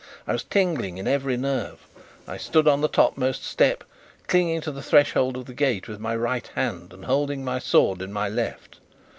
I was tingling in every nerve. I stood on the topmost step, clinging to the threshold of the gate with my right hand and holding my sword in my left.